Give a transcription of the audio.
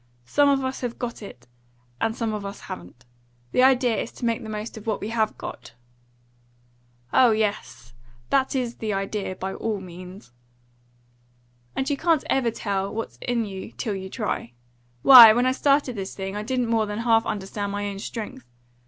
"Some of us have got it, and some of us haven't. The idea is to make the most of what we HAVE got." "Oh yes; that is the idea. By all means." "And you can't ever tell what's in you till you try. Why, when I started this thing, I didn't more than half understand my own strength.